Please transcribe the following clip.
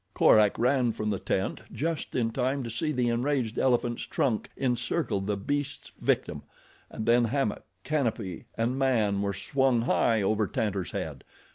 Korak ran from the tent just in time to see the enraged elephant's trunk encircle the beast's victim, and then hammock, canopy and man were swung high over Tantor's head.